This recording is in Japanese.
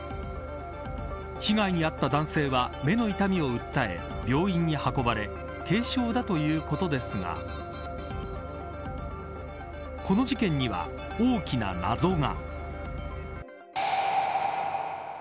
被害に遭った男性は目の痛みを訴え病院に運ばれ軽傷だということですがこの事件には、大きな謎が。